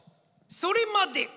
それまで！